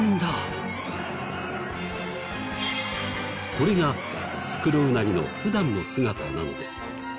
これがフクロウナギの普段の姿なのです。